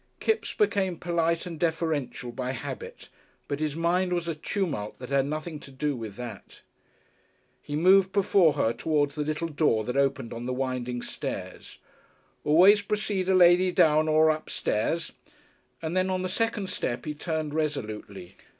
Kipps became polite and deferential by habit, but his mind was a tumult that had nothing to do with that. He moved before her towards the little door that opened on the winding stairs "always precede a lady down or up stairs" and then on the second step he turned resolutely.